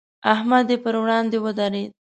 احمد یې پر وړاندې ودرېد.